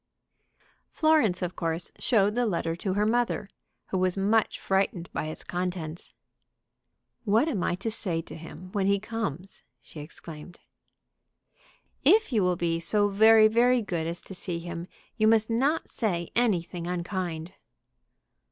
Florence, of course, showed the letter to her mother, who was much frightened by its contents. "What am I to say to him when he comes?" she exclaimed. "If you will be so very, very good as to see him you must not say anything unkind."